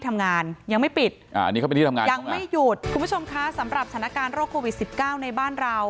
ยังไม่หยุดคุณผู้ชมคะสำหรับฐานการณ์โรคโควิด๑๙ในบ้านเรา